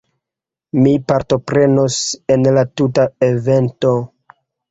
Mi partoprenos en la tuta evento